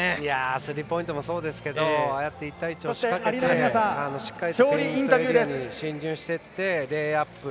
スリーポイントもそうですけど１対１を仕掛けて、しっかりとペイントエリア内に進入していってレイアップ。